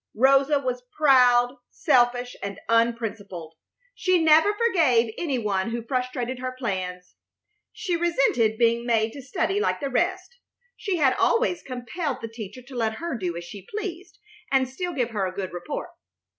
Rosa was proud, selfish, and unprincipled. She never forgave any one who frustrated her plans. She resented being made to study like the rest. She had always compelled the teacher to let her do as she pleased and still give her a good report.